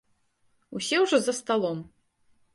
Усе ўжо за сталом.